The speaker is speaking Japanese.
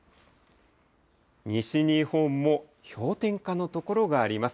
西日本も氷点下の所があります。